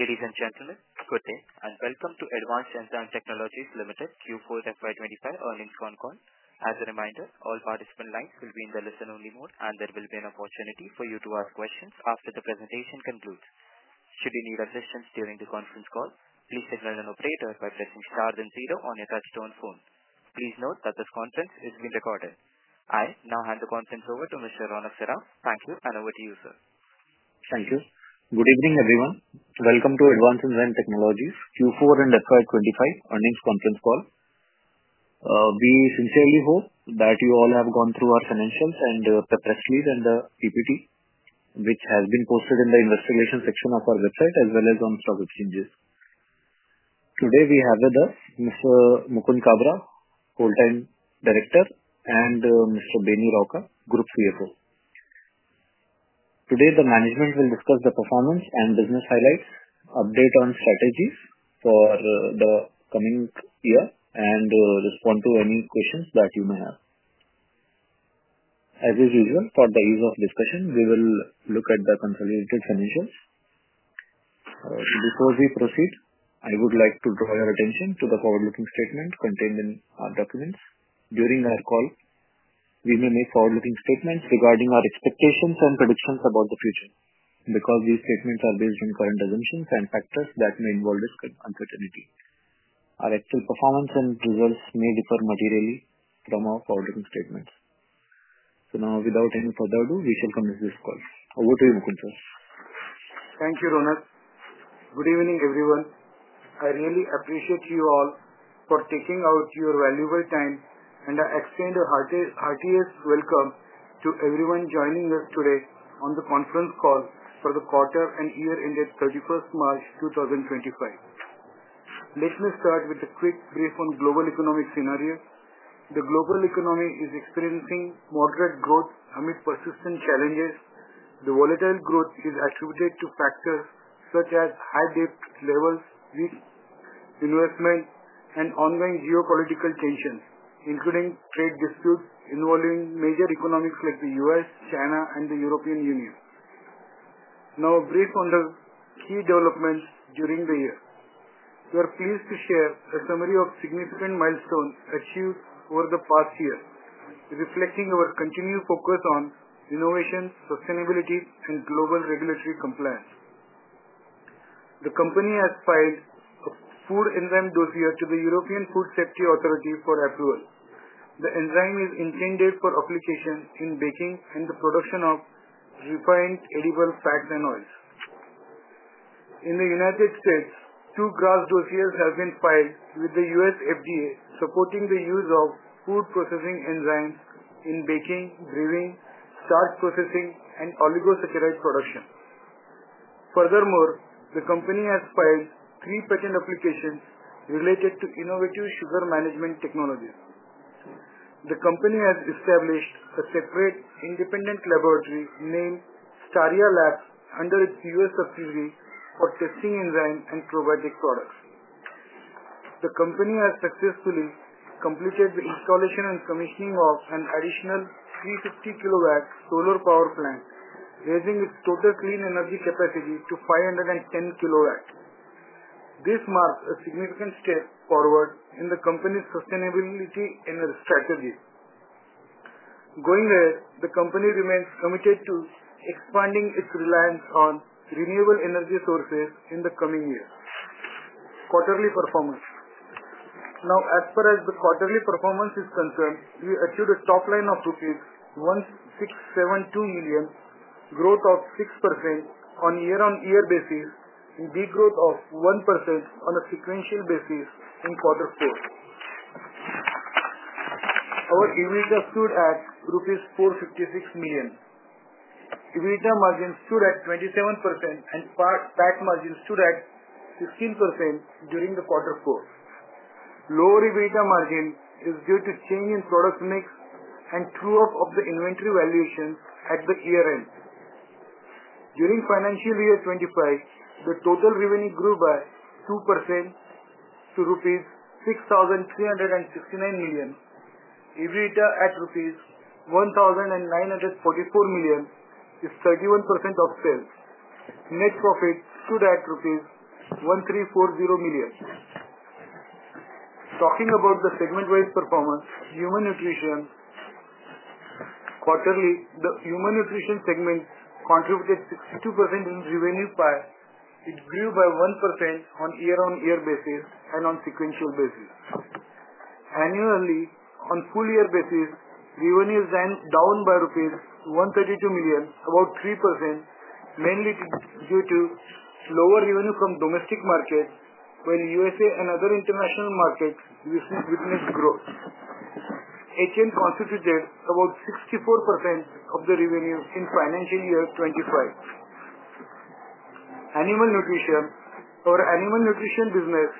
Ladies and gentlemen, good day and welcome to Advanced Enzyme Technologies Limited, Q4 FY25 earnings conference. As a reminder, all participant lines will be in the listen-only mode, and there will be an opportunity for you to ask questions after the presentation concludes. Should you need assistance during the conference call, please signal an operator by pressing star then zero on your touch-tone phone. Please note that this conference is being recorded. I now hand the conference over to Mr. Ronak Saraf. Thank you, and over to you, sir. Thank you. Good evening, everyone. Welcome to Advanced Enzyme Technologies Q4 and FY25 earnings conference call. We sincerely hope that you all have gone through our financials and the press release and the PPT, which has been posted in the investor section of our website as well as on the stock exchanges. Today, we have with us Mr. Mukund Kabra, full-time Director, and Mr. Beni Rauka, Group CFO. Today, the management will discuss the performance and business highlights, update on strategies for the coming year, and respond to any questions that you may have. As usual, for the ease of discussion, we will look at the consolidated financials. Before we proceed, I would like to draw your attention to the forward-looking statement contained in our documents. During our call, we may make forward-looking statements regarding our expectations and predictions about the future because these statements are based on current assumptions and factors that may involve risk and uncertainty. Our actual performance and results may differ materially from our forward-looking statements. Now, without any further ado, we shall commence this call. Over to you, Mukund, sir. Thank you, Ronak. Good evening, everyone. I really appreciate you all for taking out your valuable time, and I extend a hearty welcome to everyone joining us today on the conference call for the quarter and year-end date 31st March 2025. Let me start with a quick brief on global economic scenarios. The global economy is experiencing moderate growth amid persistent challenges. The volatile growth is attributed to factors such as high debt levels, weak investment, and ongoing geopolitical tensions, including trade disputes involving major economies like the U.S., China, and the European Union. Now, a brief on the key developments during the year. We are pleased to share a summary of significant milestones achieved over the past year, reflecting our continued focus on innovation, sustainability, and global regulatory compliance. The company has filed a food enzyme dossier to the European Food Safety Authority for approval. The enzyme is intended for application in baking and the production of refined edible fats and oils. In the United States, two GRAS Dossiers have been filed with the U.S. FDA, supporting the use of food processing enzymes in baking, brewing, starch processing, and oligosaccharide production. Furthermore, the company has filed three patent applications related to innovative sugar management technologies. The company has established a separate independent laboratory named Starya Labs under its U.S. subsidiary for testing enzymes and probiotic products. The company has successfully completed the installation and commissioning of an additional 350 kilowatt solar power plant, raising its total clean energy capacity to 510 kilowatts. This marks a significant step forward in the company's sustainability and strategies. Going ahead, the company remains committed to expanding its reliance on renewable energy sources in the coming years. Quarterly performance. Now, as far as the quarterly performance is concerned, we achieved a top line of profits, rupees 1,672 million, growth of 6% on year-on-year basis, and big growth of 1% on a sequential basis in quarter four. Our EBITDA stood at 456 million rupees. EBITDA margin stood at 27%, and PAT margin stood at 16% during the quarter four. Lower EBITDA margin is due to change in product mix and true-up of the inventory valuation at the year-end. During financial year 2025, the total revenue grew by 2% to rupees 6,369 million. EBITDA at rupees 1,944 million is 31% of sales. Net profit stood at rupees 1,340 million. Talking about the segment-wise performance, human nutrition. Quarterly, the human nutrition segment contributed 62% in revenue pie. It grew by 1% on year-on-year basis and on sequential basis. Annually, on full-year basis, revenue is down by rupees 132 million, about 3%, mainly due to lower revenue from domestic markets, while U.S.A. and other international markets witnessed growth. HN constituted about 64% of the revenue in financial year 2025. Animal nutrition. Our animal nutrition business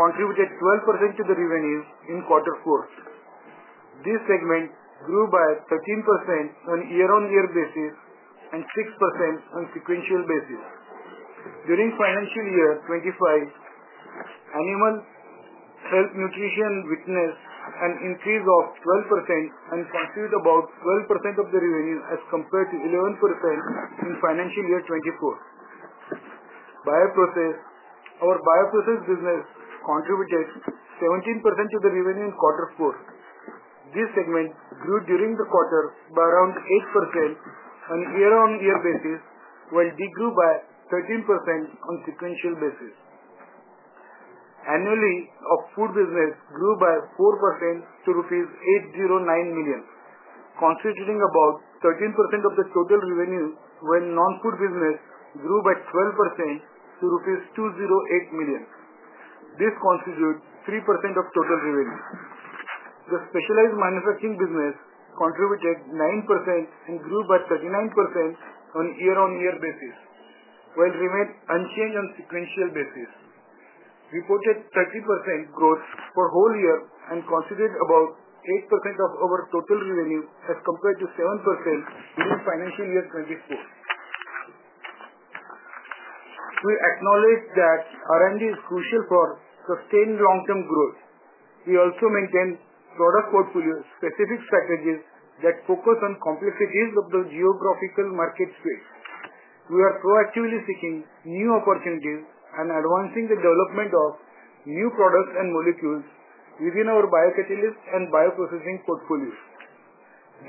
contributed 12% to the revenue in quarter four. This segment grew by 13% on year-on-year basis and 6% on sequential basis. During financial year 2025, animal health nutrition witnessed an increase of 12% and constituted about 12% of the revenue as compared to 11% in financial year 2024. Bioprocess. Our bioprocess business contributed 17% to the revenue in quarter four. This segment grew during the quarter by around 8% on year-on-year basis, while degrowth by 13% on sequential basis. Annually, our food business grew by 4% to rupees 809 million, constituting about 13% of the total revenue, while non-food business grew by 12% to rupees 208 million. This constitutes 3% of total revenue. The specialized manufacturing business contributed 9% and grew by 39% on year-on-year basis, while remained unchanged on sequential basis. Reported 30% growth for the whole year and constituted about 8% of our total revenue as compared to 7% during financial year 2024. We acknowledge that R&D is crucial for sustained long-term growth. We also maintain product portfolio-specific strategies that focus on complexities of the geographical market space. We are proactively seeking new opportunities and advancing the development of new products and molecules within our biocatalyst and bioprocessing portfolios.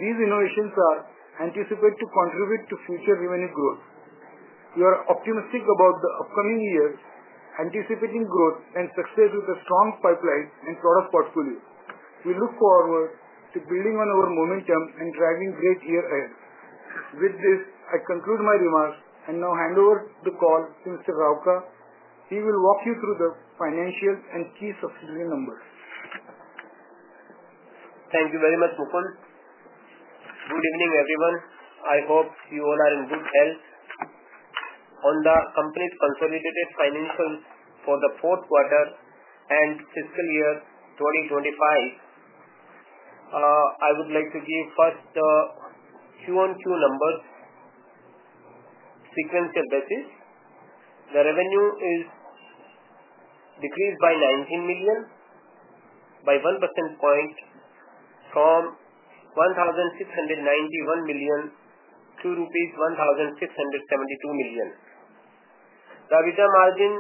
These innovations are anticipated to contribute to future revenue growth. We are optimistic about the upcoming years, anticipating growth and success with a strong pipeline and product portfolio. We look forward to building on our momentum and driving great year ahead. With this, I conclude my remarks and now hand over the call to Mr. Rauka. He will walk you through the financial and key subsidiary numbers. Thank you very much, Mukund. Good evening, everyone. I hope you all are in good health. On the company's consolidated financials for the fourth quarter and fiscal year 2025, I would like to give first the Q1 Q numbers sequential basis. The revenue is decreased by 19 million, by 1 percent point, from 1,691 million to rupees 1,672 million. The EBITDA margin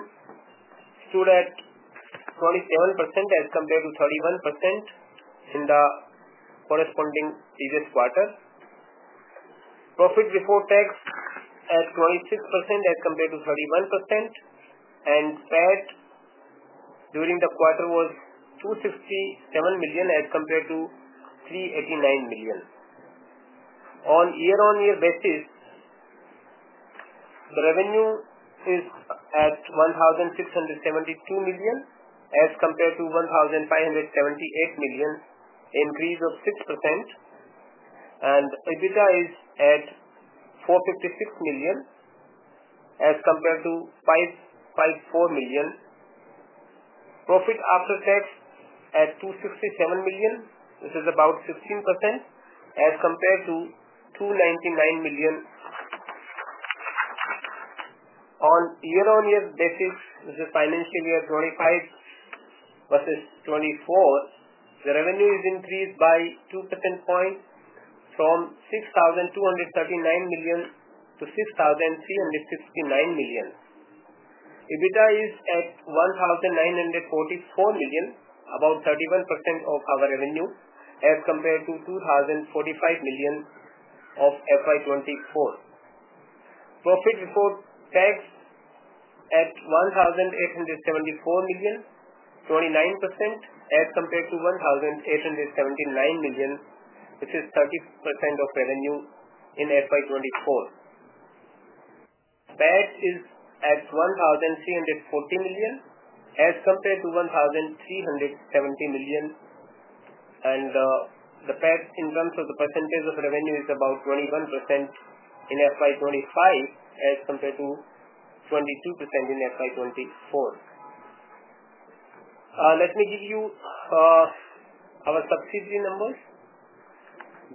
stood at 27% as compared to 31% in the corresponding previous quarter. Profit before tax at 26% as compared to 31%, and PAT during the quarter was 267 million as compared to 389 million. On year-on-year basis, the revenue is at 1,672 million as compared to 1,578 million, increased of 6%, and EBITDA is at 456 million as compared to 554 million. Profit after tax at 267 million, which is about 16% as compared to 299 million. On year-on-year basis, this is financial year 2025 versus 2024. The revenue is increased by 2 percentage points from 6,239 million to 6,369 million. EBITDA is at 1,944 million, about 31% of our revenue as compared to 2,045 million of FY24. Profit before tax at 1,874 million, 29% as compared to 1,879 million, which is 30% of revenue in FY24. PAT is at 1,340 million as compared to 1,370 million, and the PAT in terms of the percentage of revenue is about 21% in FY25 as compared to 22% in FY24. Let me give you our subsidiary numbers.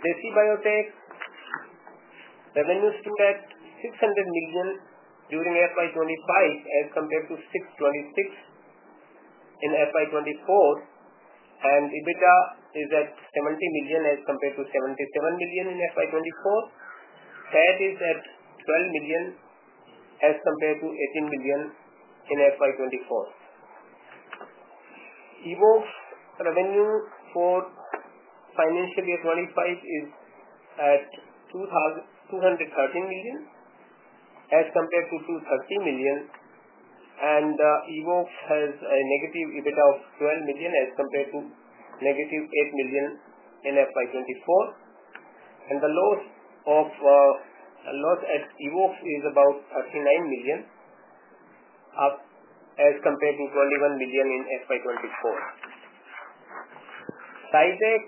JC Biotech's revenue stood at 600 million during FY25 as compared to 626 million in FY24, and EBITDA is at 70 million as compared to 77 million in FY24. PAT is at 12 million as compared to 18 million in FY24. Evoxx revenue for financial year 2025 is at 213 million as compared to 230 million, and Evoxx has a negative EBITDA of 12 million as compared to negative 8 million in FY2024. The loss at Evoxx is about 39 million as compared to 21 million in FY2024. SciTech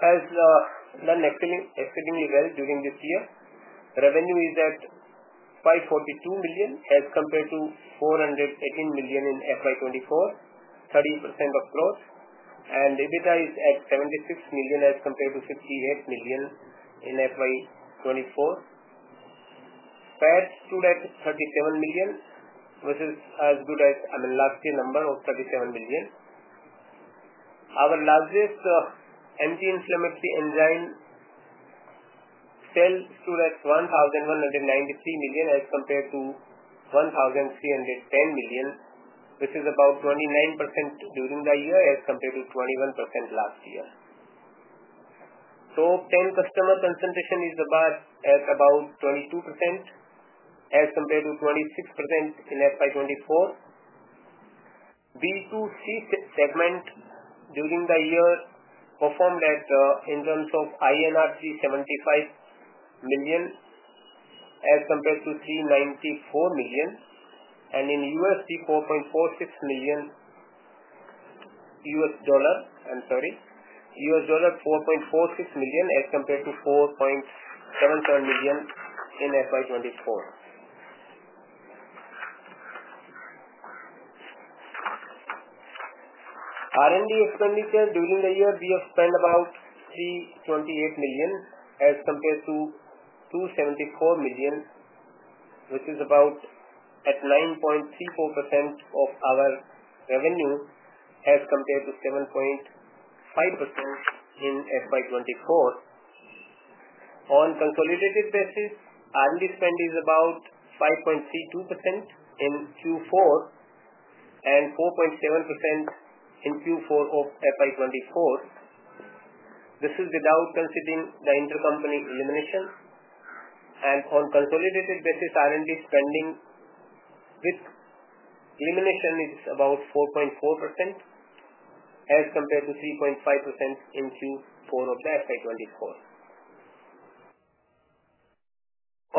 has done exceedingly well during this year. Revenue is at 542 million as compared to 418 million in FY2024, 30% of growth, and EBITDA is at 76 million as compared to 58 million in FY2024. PAT stood at 37 million versus as good as our last year number of 37 million. Our largest anti-inflammatory enzyme sale stood at 1,193 million as compared to 1,310 million, which is about 29% during the year as compared to 21% last year. Top 10 customer concentration is about at about 22% as compared to 26% in FY2024. B2C segment during the year performed in terms of 375 million as compared to 394 million, and in USD, €4.46 million as compared to €4.77 million in FY24. R&D expenditure during the year we have spent about 328 million as compared to 274 million, which is about at 9.34% of our revenue as compared to 7.5% in FY24. On consolidated basis, R&D spend is about 5.32% in Q4 and 4.7% in Q4 of FY24. This is without considering the intercompany elimination. On consolidated basis, R&D spending with elimination is about 4.4% as compared to 3.5% in Q4 of the FY24.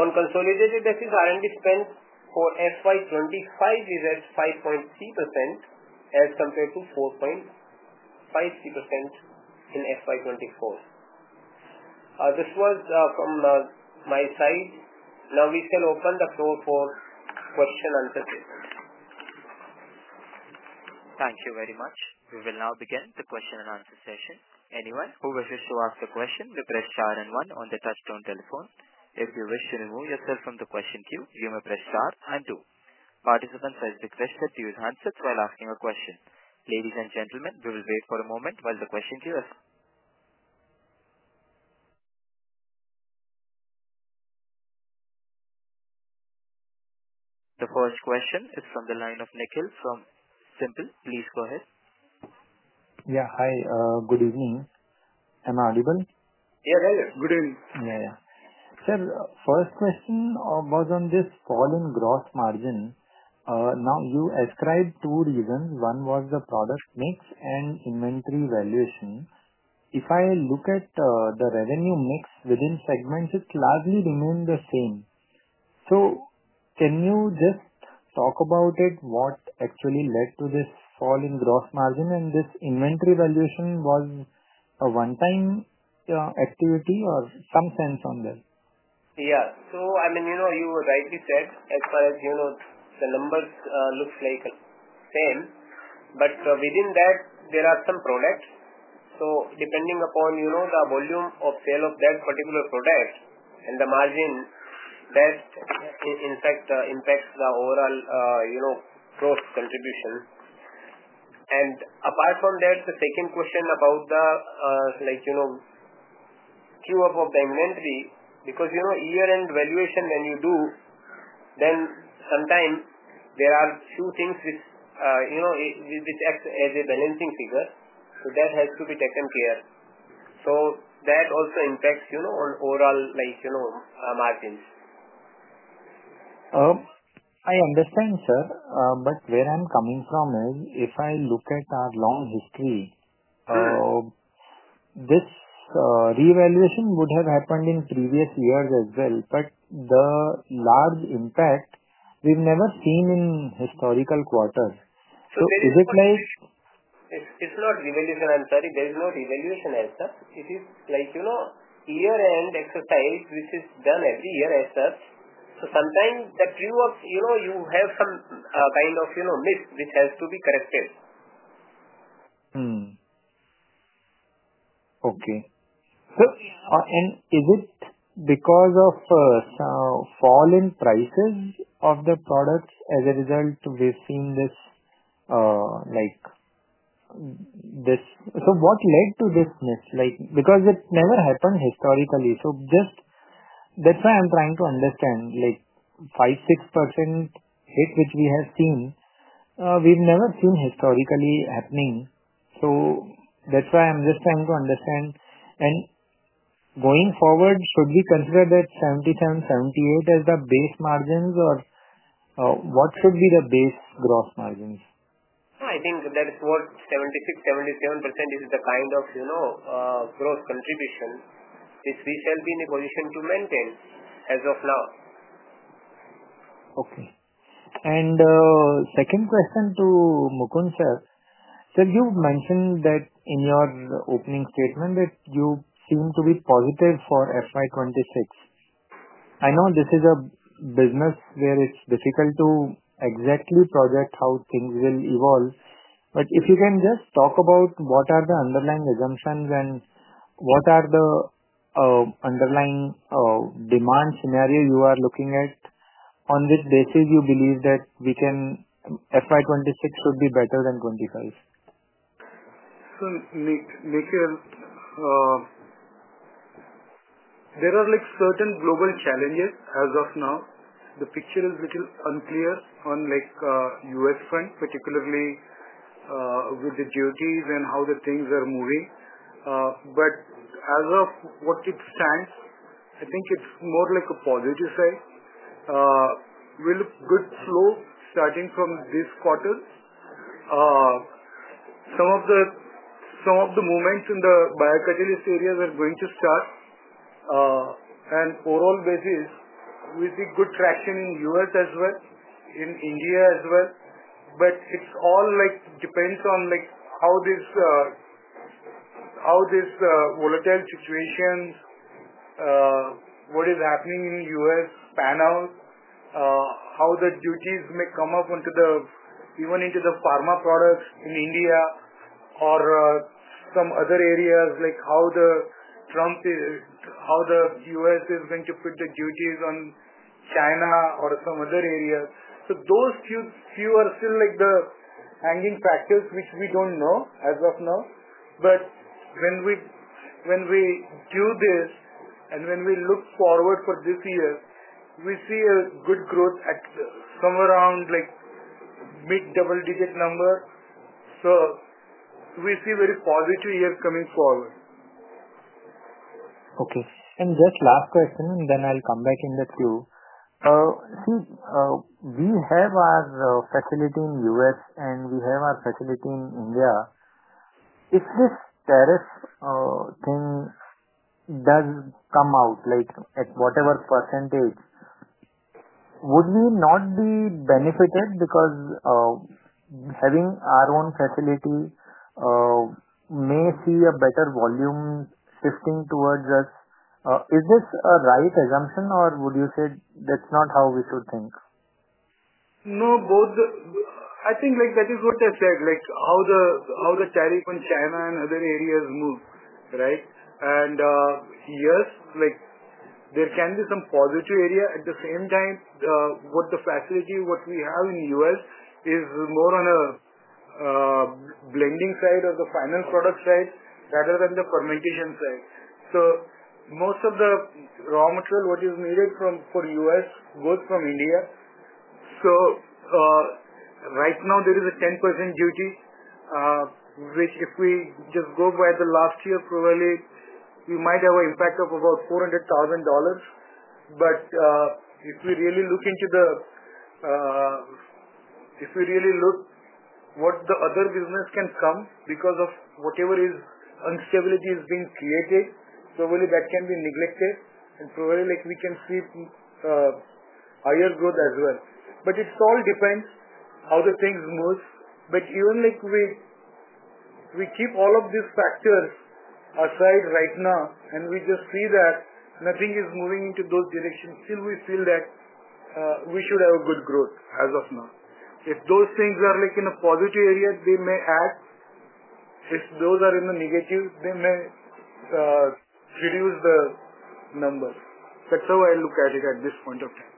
On consolidated basis, R&D spend for FY25 is at 5.3% as compared to 4.53% in FY24. This was from my side. Now we shall open the floor for question and answer session. Thank you very much. We will now begin the question and answer session. Anyone who wishes to ask a question may press star and one on the touch-tone telephone. If you wish to remove yourself from the question queue, you may press star and two. Participants are requested to use handsets while asking a question. Ladies and gentlemen, we will wait for a moment while the question queue has started. The first question is from the line of Nikhil from Simpl. Please go ahead. Yeah, hi. Good evening. Am I audible? Yeah, yeah. Yeah, yeah. Sir, first question was on this fall in gross margin. Now, you ascribed two reasons. One was the product mix and inventory valuation. If I look at the revenue mix within segments, it largely remained the same. Can you just talk about it, what actually led to this fall in gross margin and this inventory valuation was a one-time activity or some sense on that? Yeah. I mean, you rightly said as far as the numbers look like same, but within that, there are some products. Depending upon the volume of sale of that particular product and the margin, that in fact impacts the overall gross contribution. Apart from that, the second question about the queue-up of the inventory, because year-end valuation when you do, then sometimes there are few things which act as a balancing figure. That has to be taken care of. That also impacts on overall margins. I understand, sir, but where I'm coming from is if I look at our long history, this revaluation would have happened in previous years as well, but the large impact we've never seen in historical quarters. Is it like. It's not revaluation, I'm sorry. There is no revaluation as such. It is year-end exercise, which is done every year as such. Sometimes the queue-up, you have some kind of miss which has to be corrected. Okay. Is it because of fall in prices of the products as a result we've seen this? What led to this miss? It never happened historically. That's why I'm trying to understand. A 5%-6% hit which we have seen, we've never seen historically happening. That's why I'm just trying to understand. Going forward, should we consider that 77%-78% as the base margins or what should be the base gross margins? I think that's what 76%-77% is the kind of gross contribution which we shall be in a position to maintain as of now. Okay. Second question to Mukund sir. Sir, you've mentioned that in your opening statement that you seem to be positive for FY26. I know this is a business where it's difficult to exactly project how things will evolve, but if you can just talk about what are the underlying assumptions and what are the underlying demand scenario you are looking at, on which basis you believe that FY26 should be better than 25? Nikhil, there are certain global challenges as of now. The picture is a little unclear on the U.S. front, particularly with the duties and how things are moving. As of what it stands, I think it's more like a positive side. We'll have good flow starting from this quarter. Some of the movements in the biocatalyst areas are going to start. On an overall basis, we see good traction in the U.S. as well, in India as well. It all depends on how this volatile situation, what is happening in the U.S. panel, how the duties may come up even into the pharma products in India or some other areas, how the U.S. is going to put the duties on China or some other areas. Those few are still the hanging factors which we don't know as of now. When we do this and when we look forward for this year, we see a good growth somewhere around mid double digit number. We see a very positive year coming forward. Okay. And just last question, and then I'll come back in the queue. See, we have our facility in the US, and we have our facility in India. If this tariff thing does come out at whatever %, would we not be benefited because having our own facility may see a better volume shifting towards us? Is this a right assumption, or would you say that's not how we should think? No, both. I think that is what I said, how the tariff on China and other areas move, right? Yes, there can be some positive area. At the same time, what the facility we have in the US is more on a blending side of the final product side rather than the fermentation side. Most of the raw material needed for the US goes from India. Right now, there is a 10% duty, which if we just go by last year, probably we might have an impact of about $400,000. If we really look at what other business can come because of whatever instability is being created, probably that can be neglected. Probably we can see higher growth as well. It all depends how things move. Even if we keep all of these factors aside right now, and we just see that nothing is moving into those directions, still we feel that we should have a good growth as of now. If those things are in a positive area, they may add. If those are in the negative, they may reduce the numbers. That's how I look at it at this point of time.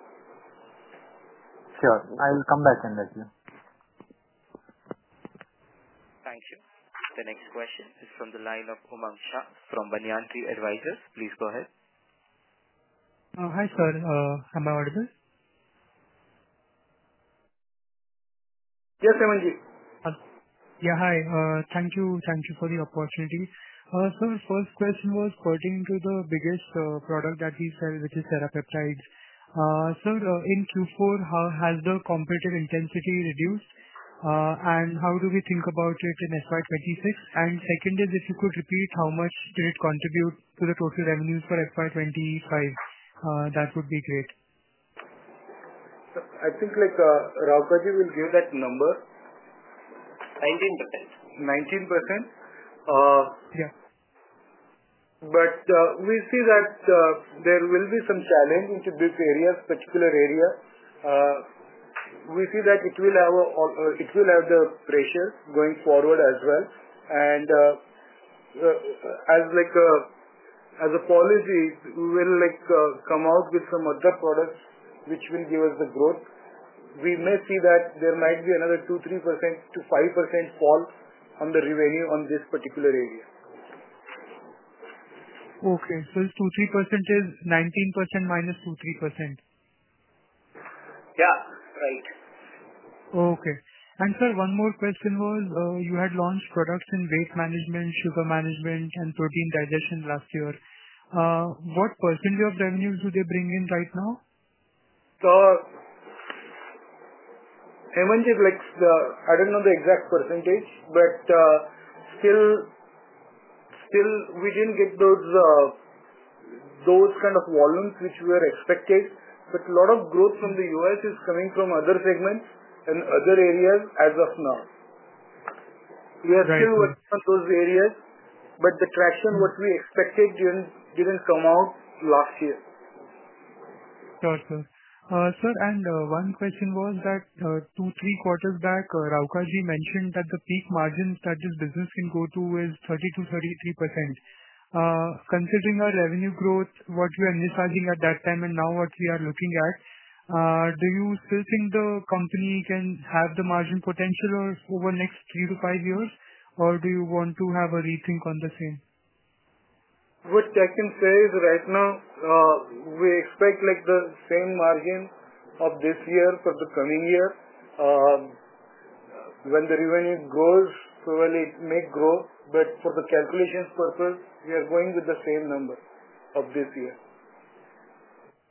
Sure. I'll come back and ask you. Thank you. The next question is from the line of Umang Shah from Banyan Tree Advisors. Please go ahead. Hi, sir. Am I audible? Yes, Umangji. Yeah, hi. Thank you for the opportunity. Sir, first question was pertaining to the biggest product that we sell, which is Sera Peptides. Sir, in Q4, how has the competitive intensity reduced, and how do we think about it in FY26? Second is, if you could repeat, how much did it contribute to the total revenues for FY25? That would be great. I think Rauka, you will give that number. 19%? Yeah. We see that there will be some challenge into this area, particular area. We see that it will have the pressure going forward as well. As a policy, we will come out with some other products which will give us the growth. We may see that there might be another 2%-3% to 5% fall on the revenue on this particular area. Okay. So 2%-3% is 19% minus 2%-3%. Yeah, right. Okay. Sir, one more question was you had launched products in weight management, sugar management, and protein digestion last year. What percentage of revenues do they bring in right now? Umangji, I don't know the exact percentage, but still we didn't get those kind of volumes which we were expected. A lot of growth from the U.S. is coming from other segments and other areas as of now. We are still working on those areas, but the traction what we expected didn't come out last year. Gotcha. Sir, and one question was that two, three quarters back, Raukaji mentioned that the peak margin that this business can go to is 30%-33%. Considering our revenue growth, what we were initializing at that time and now what we are looking at, do you still think the company can have the margin potential over the next three to five years, or do you want to have a rethink on the same? What I can say is right now, we expect the same margin of this year for the coming year. When the revenue grows, probably it may grow, but for the calculation purpose, we are going with the same number of this year.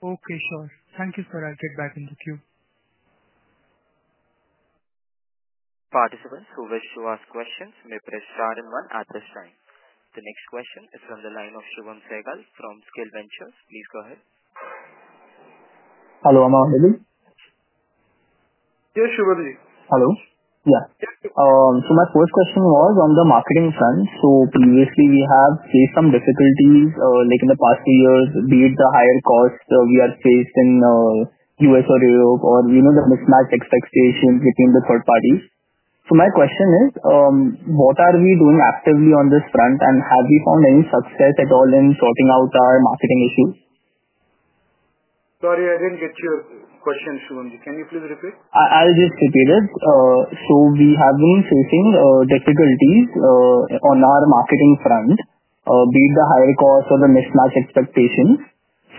Okay, sure. Thank you, sir. I'll get back in the queue. Participants who wish to ask questions may press star and one at this time. The next question is from the line of Shubham Sehgal from Skill Ventures. Please go ahead. Hello. Yes, Shubhamji. Hello. Yeah. My first question was on the marketing front. Previously, we have faced some difficulties in the past few years, be it the higher cost we are faced in the U.S. or Europe, or the mismatched expectations between the third parties. My question is, what are we doing actively on this front, and have we found any success at all in sorting out our marketing issues? Sorry, I didn't get your question, Shubhamji. Can you please repeat? I'll just repeat it. We have been facing difficulties on our marketing front, be it the higher cost or the mismatched expectations.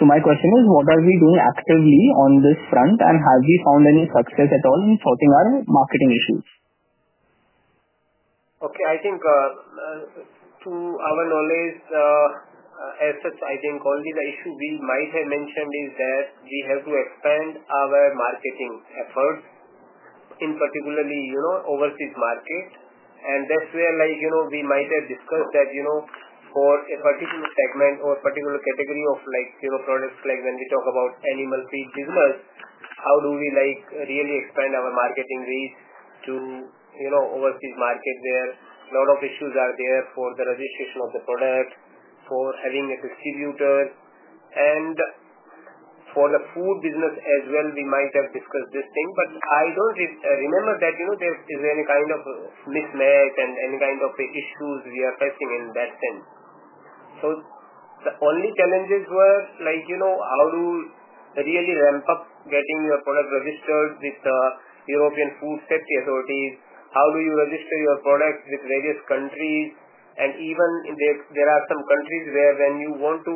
My question is, what are we doing actively on this front, and have we found any success at all in sorting our marketing issues? Okay. I think to our knowledge, as such, I think only the issue we might have mentioned is that we have to expand our marketing efforts, in particularly overseas market. That is where we might have discussed that for a particular segment or particular category of products, like when we talk about animal feed business, how do we really expand our marketing reach to overseas market where a lot of issues are there for the registration of the product, for having a distributor, and for the food business as well. We might have discussed this thing, but I do not remember that there is any kind of mismatch and any kind of issues we are facing in that sense. The only challenges were how to really ramp up getting your product registered with the European Food Safety Authorities, how do you register your products with various countries. Even there are some countries where when you want to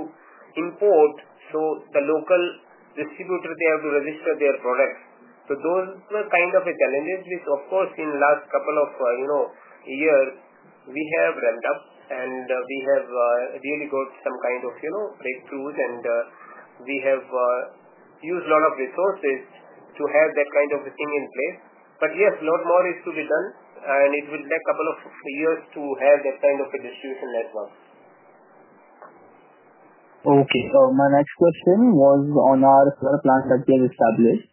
import, the local distributor, they have to register their products. Those were kind of challenges, which, of course, in the last couple of years, we have ramped up, and we have really got some kind of breakthroughs, and we have used a lot of resources to have that kind of a thing in place. Yes, a lot more is to be done, and it will take a couple of years to have that kind of a distribution network. Okay. So my next question was on our solar plant that we have established.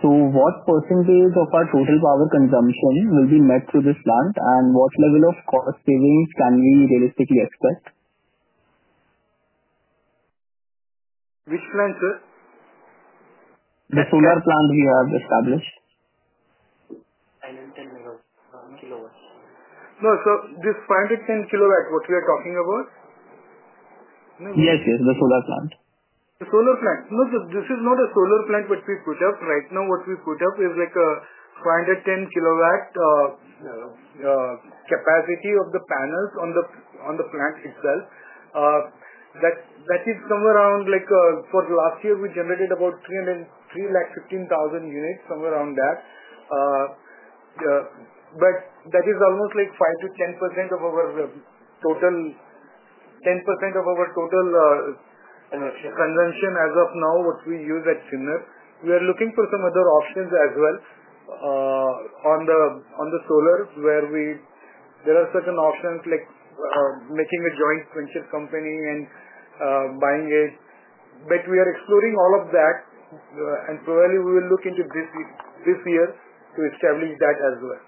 What percentage of our total power consumption will be met through this plant, and what level of cost savings can we realistically expect? Which plant, sir? The solar plant we have established. 510 kilowatts. No, sir, this 510 kilowatt, what we are talking about? Yes, yes, the solar plant. The solar plant. No, sir, this is not a solar plant what we put up. Right now, what we put up is a 510 kilowatt capacity of the panels on the plant itself. That is somewhere around for last year, we generated about 315,000 units, somewhere around that. That is almost like 5%-10% of our total, 10% of our total consumption as of now, what we use at Sinnar. We are looking for some other options as well on the solar where there are certain options like making a joint venture company and buying it. We are exploring all of that, and probably we will look into this year to establish that as well.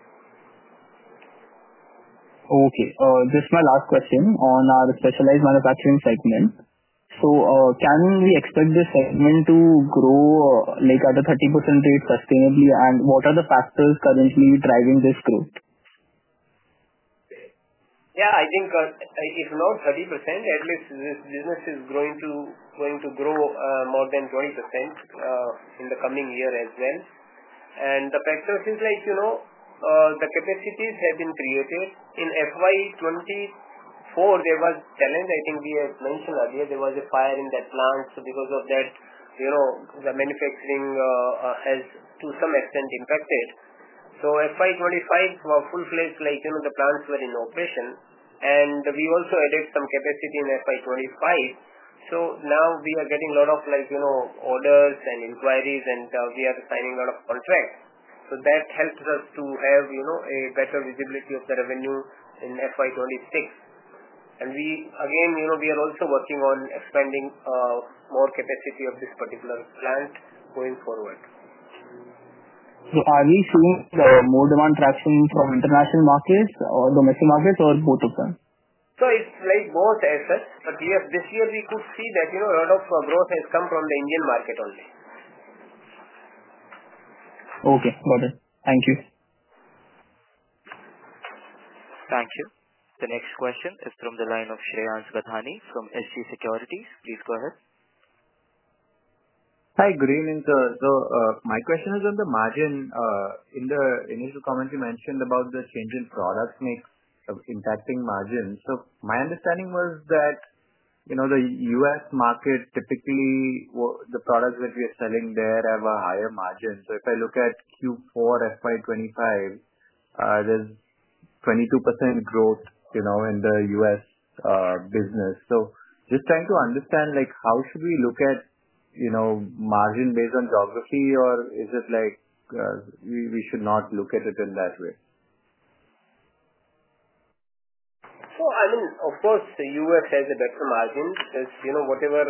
Okay. This is my last question on our specialized manufacturing segment. Can we expect this segment to grow at a 30% rate sustainably, and what are the factors currently driving this growth? Yeah, I think if not 30%, at least this business is going to grow more than 20% in the coming year as well. The factors is like the capacities have been created. In FY2024, there was a challenge. I think we had mentioned earlier there was a fire in that plant, so because of that, the manufacturing has to some extent impacted. FY2025, we fulfilled the plants were in operation, and we also added some capacity in FY2025. Now we are getting a lot of orders and inquiries, and we are signing a lot of contracts. That helps us to have a better visibility of the revenue in FY2026. Again, we are also working on expanding more capacity of this particular plant going forward. Are we seeing more demand traction from international markets or domestic markets or both of them? It is both, as such. But yes, this year we could see that a lot of growth has come from the Indian market only. Okay. Got it. Thank you. Thank you. The next question is from the line of Shreyans Gathani from SG Securities. Please go ahead. Hi, good evening, sir. My question is on the margin. In the initial comment, you mentioned about the change in products impacting margins. My understanding was that the US market, typically the products that we are selling there have a higher margin. If I look at Q4, FY2025, there is 22% growth in the US business. I am just trying to understand how should we look at margin based on geography, or is it like we should not look at it in that way? I mean, of course, the U.S. has a better margin because whatever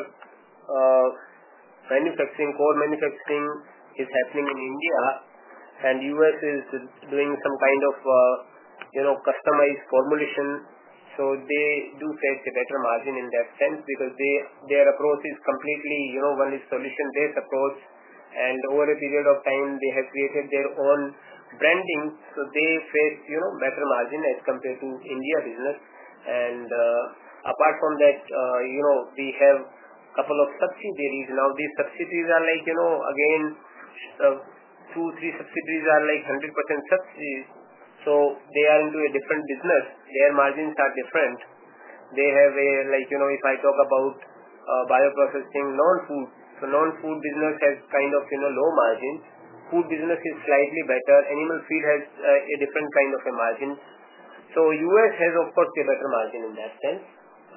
manufacturing, core manufacturing is happening in India, and the U.S. is doing some kind of customized formulation. They do face a better margin in that sense because their approach is completely one is solution-based approach, and over a period of time, they have created their own branding. They face better margin as compared to India business. Apart from that, we have a couple of subsidiaries. Now, these subsidiaries are like, again, two, three subsidiaries are like 100% subsidiaries. They are into a different business. Their margins are different. If I talk about bioprocessing non-food, non-food business has kind of low margins. Food business is slightly better. Animal feed has a different kind of a margin. U.S. has, of course, a better margin in that sense.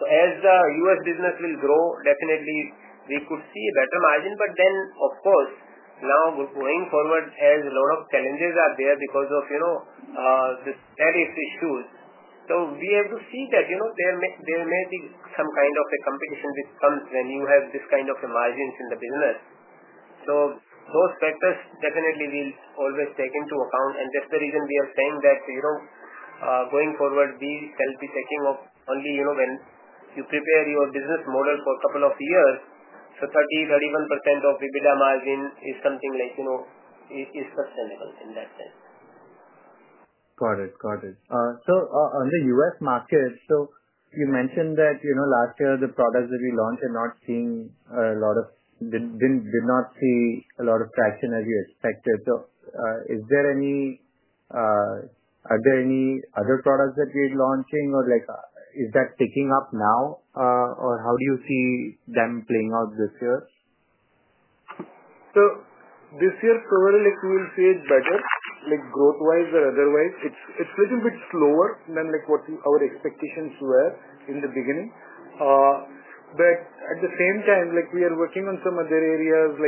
As the U.S. business will grow, definitely we could see a better margin. Of course, now going forward, as a lot of challenges are there because of the tariff issues, we have to see that there may be some kind of a competition which comes when you have this kind of a margin in the business. Those factors definitely we'll always take into account. That's the reason we are saying that going forward, we shall be taking up only when you prepare your business model for a couple of years. 30%-31% of EBITDA margin is something like is sustainable in that sense. Got it. Got it. On the U.S. market, you mentioned that last year the products that we launched did not see a lot of traction as you expected. Are there any other products that we are launching, or is that picking up now, or how do you see them playing out this year? This year, probably we will see it better, growth-wise or otherwise. It's a little bit slower than what our expectations were in the beginning. At the same time, we are working on some other areas,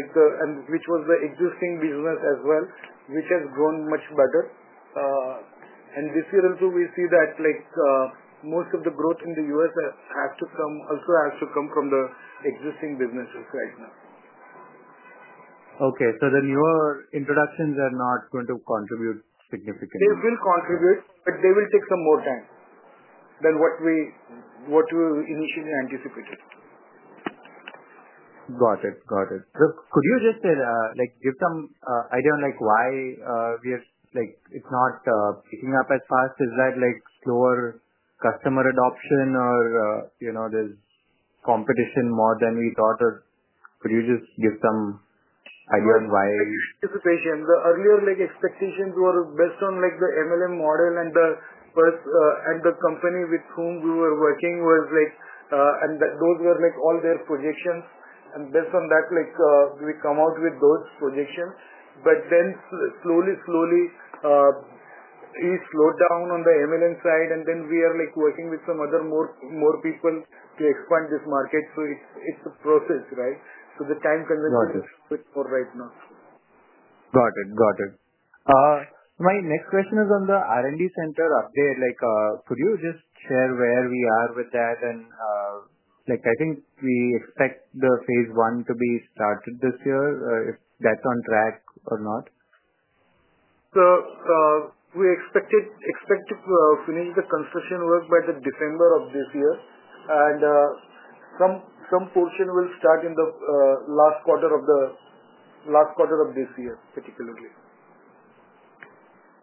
which was the existing business as well, which has grown much better. This year also, we see that most of the growth in the US has to come, also has to come from the existing businesses right now. Okay. So the newer introductions are not going to contribute significantly? They will contribute, but they will take some more time than what we initially anticipated. Got it. Got it. Could you just give some idea on why it's not picking up as fast? Is that slower customer adoption, or there's competition more than we thought? Could you just give some idea on why? Anticipation. The earlier expectations were based on the MLM model, and the company with whom we were working was, and those were all their projections. Based on that, we come out with those projections. Slowly, slowly, we slowed down on the MLM side, and we are working with some other more people to expand this market. It is a process, right? The time convention is a little bit more right now. Got it. Got it. My next question is on the R&D center update. Could you just share where we are with that? I think we expect the phase one to be started this year, if that's on track or not. We expect to finish the construction work by December of this year. Some portion will start in the last quarter of this year, particularly.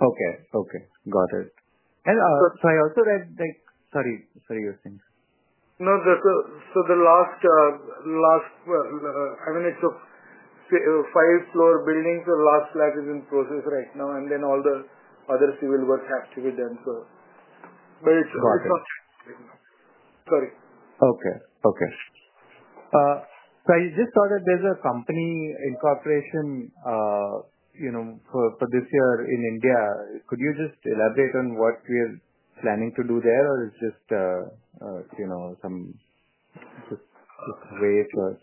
Okay. Okay. Got it. I also read, sorry, sorry, your thing. No, so the last, I mean, it's a five-floor building. The last flat is in process right now, and then all the other civil work has to be done. It's not right now. Sorry. Okay. Okay. I just thought that there's a company incorporation for this year in India. Could you just elaborate on what we are planning to do there, or it's just some way for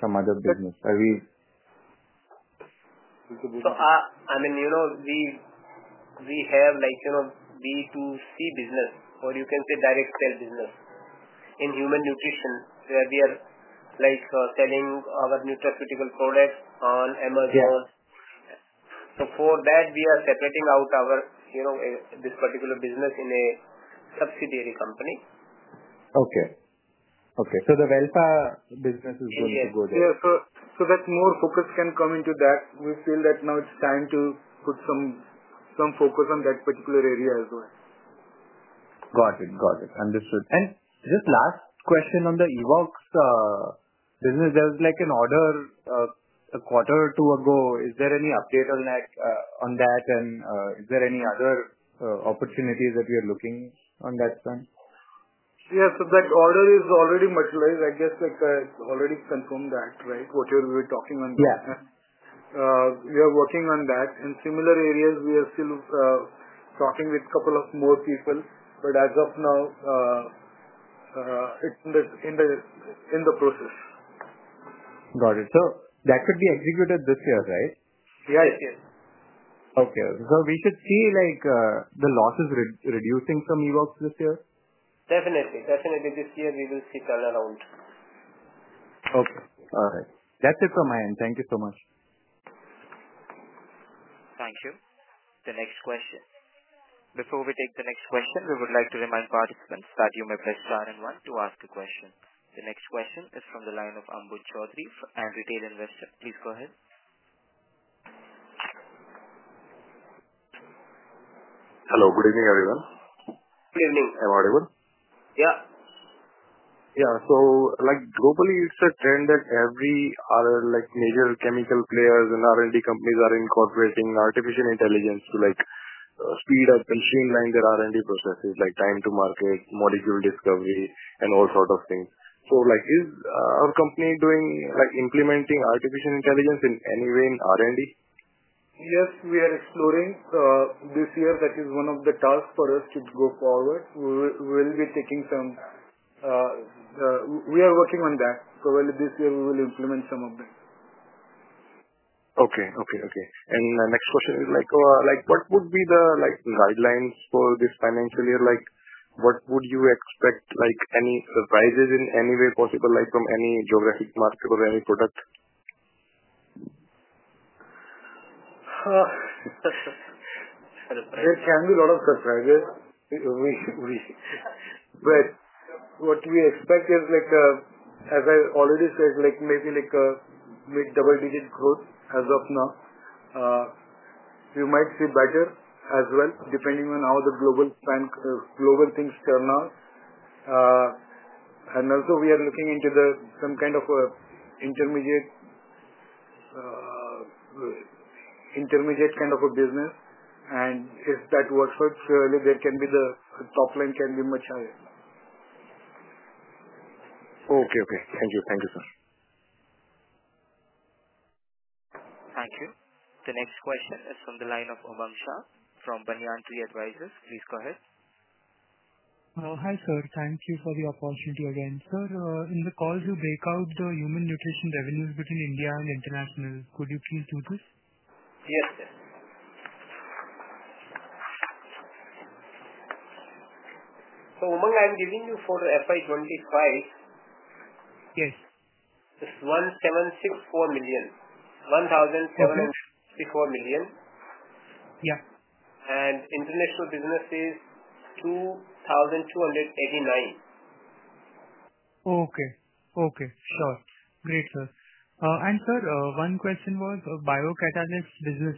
some other business? Are we? I mean, we have B2C business, or you can say direct sale business in human nutrition, where we are selling our nutraceutical products on Amazon. For that, we are separating out this particular business in a subsidiary company. Okay. Okay. So the WELLFA business is going to go there? Yes. So that more focus can come into that. We feel that now it's time to put some focus on that particular area as well. Got it. Got it. Understood. Just last question on the Evoxx business. There was an order a quarter or two ago. Is there any update on that? Is there any other opportunities that we are looking on that front? Yes. That order is already materialized. I guess I already confirmed that, right, whatever we were talking on. Yeah. We are working on that. In similar areas, we are still talking with a couple of more people, but as of now, it's in the process. Got it. So that could be executed this year, right? Yes. Yes. Okay. So we should see the losses reducing from Evoxx this year? Definitely. Definitely. This year, we will see turnaround. Okay. All right. That's it from my end. Thank you so much. Thank you. The next question. Before we take the next question, we would like to remind participants that you may press star and one to ask a question. The next question is from the line of Ambuj Chaudhary, and retail investor. Please go ahead. Hello. Good evening, everyone. Good evening. Am I audible? Yeah. Yeah. Globally, it's a trend that every major chemical players and R&D companies are incorporating artificial intelligence to speed up and streamline their R&D processes, like time to market, molecule discovery, and all sorts of things. Is our company implementing artificial intelligence in any way in R&D? Yes, we are exploring. This year, that is one of the tasks for us to go forward. We will be taking some, we are working on that. Probably this year, we will implement some of them. Okay. Okay. Okay. My next question is, what would be the guidelines for this financial year? What would you expect? Any surprises in any way possible from any geographic market or any product? There can be a lot of surprises. What we expect is, as I already said, maybe mid-double-digit growth as of now. We might see better as well, depending on how the global things turn out. We are looking into some kind of intermediate kind of a business. If that works out, surely the top line can be much higher. Okay. Thank you. Thank you, sir. Thank you. The next question is from the line of Umang Shah from Banyan Tree Advisors. Please go ahead. Hi, sir. Thank you for the opportunity again. Sir, in the call, you break out the human nutrition revenues between India and international. Could you please do this? Yes, sir. So Umang, I'm giving you for FY25. Yes. It's 1,764 million. 1,764 million. Yeah. International business is 2,289. Okay. Okay. Sure. Great, sir. And sir, one question was biocatalyst business.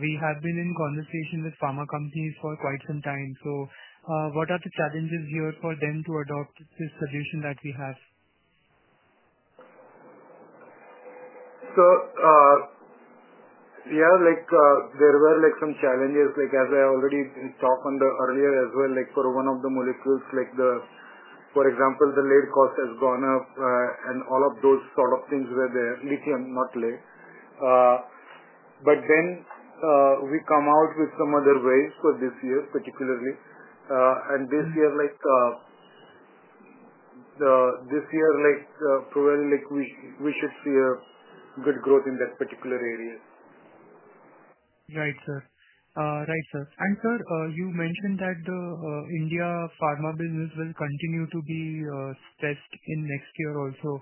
We have been in conversation with pharma companies for quite some time. What are the challenges here for them to adopt this solution that we have? Yeah, there were some challenges, as I already talked on the earlier as well, for one of the molecules. For example, the lead cost has gone up, and all of those sort of things where the lithium, not lead. But then we come out with some other ways for this year, particularly. And this year, probably we should see a good growth in that particular area. Right, sir. Right, sir. You mentioned that the India pharma business will continue to be stressed in next year also.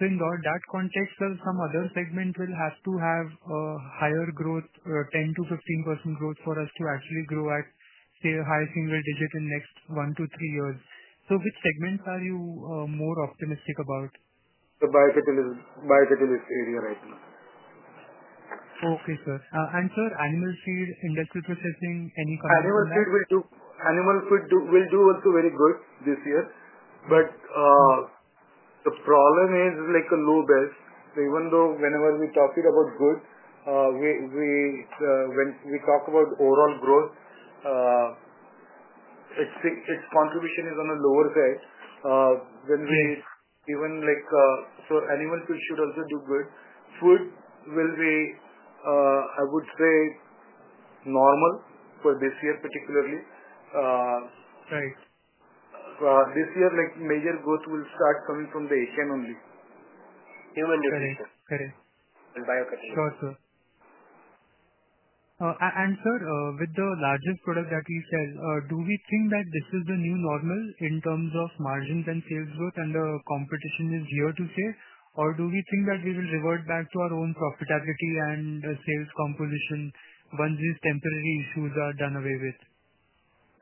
In that context, some other segments will have to have higher growth, 10%-15% growth for us to actually grow at, say, a high single digit in next one to three years. Which segments are you more optimistic about? The biocatalyst area right now. Okay, sir. And sir, animal feed, industrial processing, any comment on that? Animal feed will do also very good this year. The problem is low best. Even though whenever we talked about good, when we talk about overall growth, its contribution is on the lower side. Even so animal feed should also do good. Food will be, I would say, normal for this year, particularly. Right. This year, major growth will start coming from the Asian only. Human nutrition and biocatalysts. Correct. Sure, sir. Sir, with the largest product that we sell, do we think that this is the new normal in terms of margins and sales growth and the competition is here to stay? Or do we think that we will revert back to our own profitability and sales composition once these temporary issues are done away with?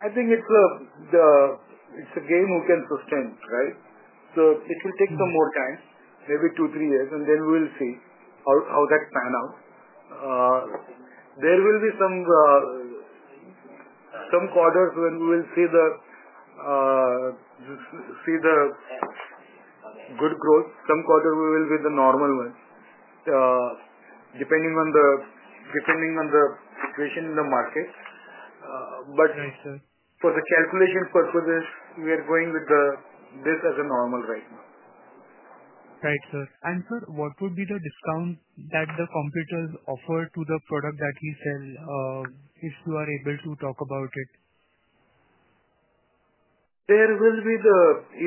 I think it's a game we can sustain, right? It will take some more time, maybe two, three years, and then we will see how that pan out. There will be some quarters when we will see the good growth. Some quarters, we will be the normal one, depending on the situation in the market. For the calculation purposes, we are going with this as a normal right now. Right, sir. Sir, what would be the discount that the competitors offer to the product that we sell if you are able to talk about it? There will be the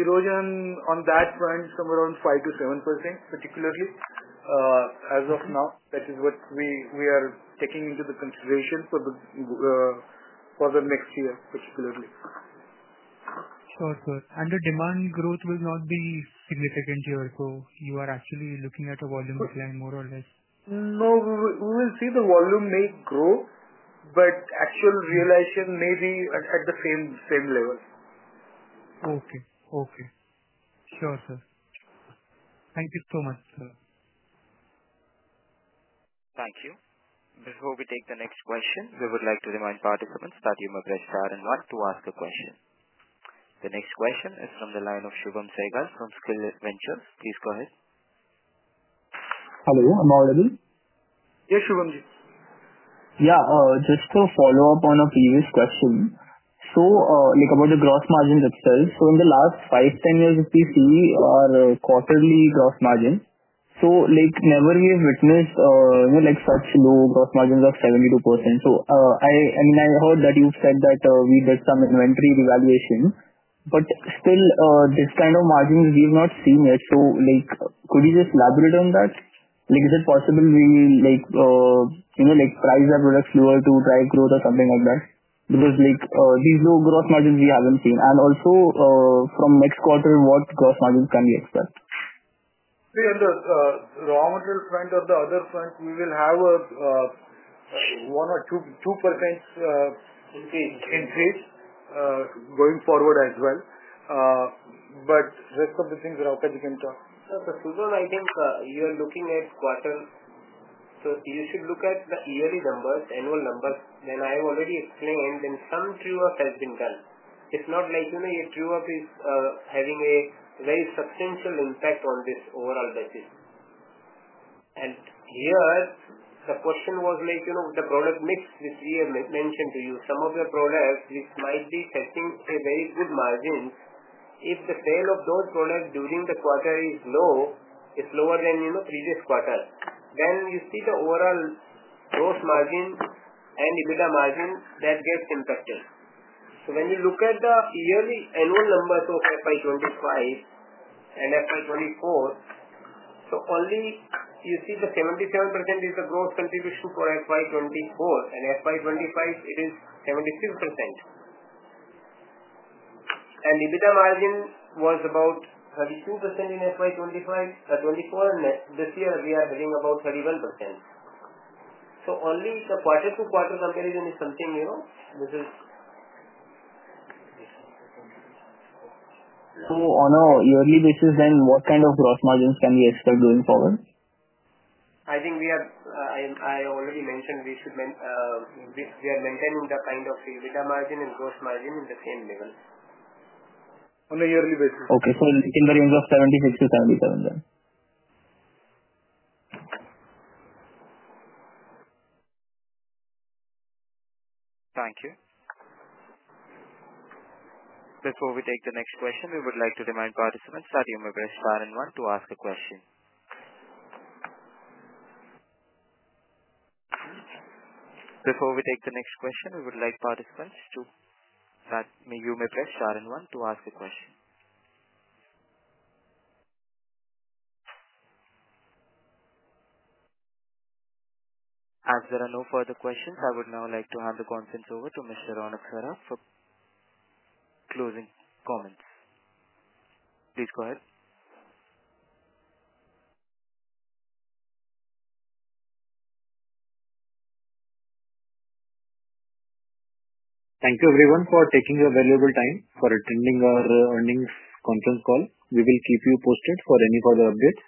erosion on that front, somewhere around 5%-7%, particularly as of now. That is what we are taking into consideration for the next year, particularly. Sure, sir. The demand growth will not be significant here, so you are actually looking at a volume decline more or less? No, we will see the volume may grow, but actual realization may be at the same level. Okay. Okay. Sure, sir. Thank you so much, sir. Thank you. Before we take the next question, we would like to remind participants that you may press star and one to ask a question. The next question is from the line of Shubham Sehgal from Skill Ventures. Please go ahead. Hello? Am I audible? Yes, Shubhamji. Yeah. Just to follow up on a previous question. About the gross margins itself, in the last five, ten years, if we see our quarterly gross margin, never have we witnessed such low gross margins of 72%. I mean, I heard that you said that we did some inventory evaluation, but still, this kind of margins, we have not seen yet. Could you just elaborate on that? Is it possible we price our products lower to drive growth or something like that? Because these low gross margins, we have not seen. Also, from next quarter, what gross margins can we expect? See, on the raw material front or the other front, we will have a 1% or 2% increase going forward as well. But rest of the things, Raukaji can talk. Shubham, I think you are looking at quarter. You should look at the yearly numbers, annual numbers. I have already explained, and some true-up has been done. It is not like your true-up is having a very substantial impact on this overall budget. Here, the question was the product mix which we have mentioned to you. Some of the products which might be setting a very good margin, if the sale of those products during the quarter is low than previous quarter, then you see the overall gross margin and EBITDA margin that gets impacted. So when you look at the yearly annual numbers of FY25 and FY24, you see the 77% is the gross contribution for FY24, and FY25, it is 76%. EBITDA margin was about 32% in FY24, and this year, we are getting about 31%. Only the quarter-to-quarter comparison is something which is. On a yearly basis, then what kind of gross margins can we expect going forward? I think we are, I already mentioned, we are maintaining the kind of EBITDA margin and gross margin in the same level. On a yearly basis. Okay. So in the range of 76-77 then? Thank you. Before we take the next question, we would like to remind participants that you may press star and one to ask a question. As there are no further questions, I would now like to hand the conference over to Mr. Ronak Saraf for closing comments. Please go ahead. Thank you, everyone, for taking your valuable time for attending our earnings conference call. We will keep you posted for any further updates.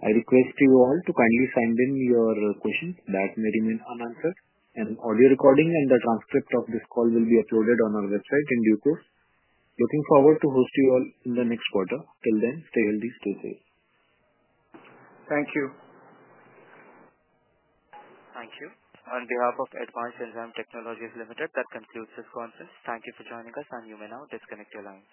I request you all to kindly send in your questions that may remain unanswered. An audio recording and the transcript of this call will be uploaded on our website in due course. Looking forward to hosting you all in the next quarter. Till then, stay healthy, stay safe. Thank you. Thank you. On behalf of Advanced Enzyme Technologies Limited, that concludes this conference. Thank you for joining us, and you may now disconnect your lines.